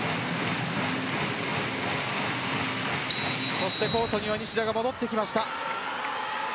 そしてコートには西田が戻ってきました。